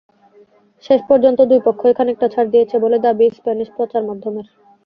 শেষ পর্যন্ত দুই পক্ষই খানিকটা ছাড় দিয়েছে বলে দাবি স্প্যানিশ প্রচারমাধ্যমের।